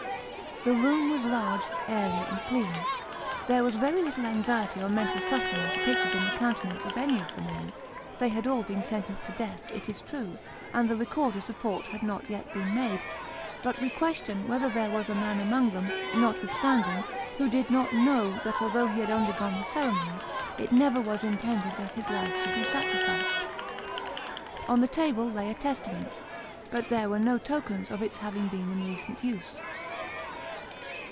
The room was large, airy, and clean. There was very little anxiety or mental suffering depicted in the countenance of any of the men ; they had all been sentenced to death, it is true, and the recorder's report had not yet been made ; but, we question whether there was a man among them, notwithstanding, who did not know that although he had undergone the ceremony, it never was intended that his life should be sacrificed. On the table lay a testament, but there were no tokens of its having been in recent use.